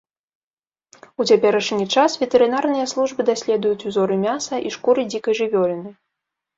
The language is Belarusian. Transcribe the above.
У цяперашні час ветэрынарныя службы даследуюць узоры мяса і шкуры дзікай жывёліны.